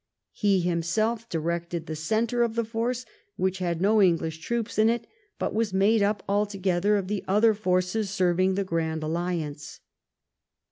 He himself directed the centre of the force, which had no English troops in it, but was made up altogether of the other forces serving the Grand Alliance.